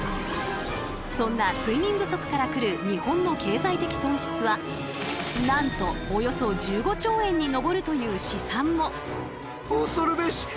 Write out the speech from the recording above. そんな睡眠不足から来る日本の経済的損失はなんとおよそ１５兆円に上るという試算も！